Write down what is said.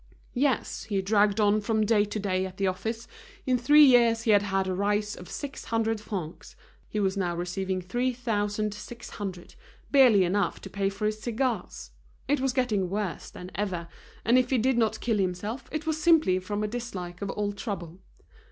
Yes, he dragged on from day to day at the office, in three years he had had a rise of six hundred francs; he was now receiving three thousand six hundred, barely enough to pay for his cigars; it was getting worse than ever, and if he did not kill himself, it was simply from a dislike of all trouble.